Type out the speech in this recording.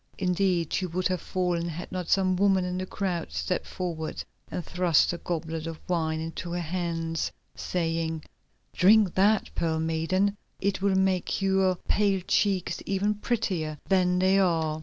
Indeed, she would have fallen had not some woman in the crowd stepped forward and thrust a goblet of wine into her hands, saying: "Drink that, Pearl Maiden, it will make your pale cheeks even prettier than they are."